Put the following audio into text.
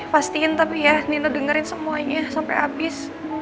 pastiin tapi ya nino dengerin semuanya sampe abis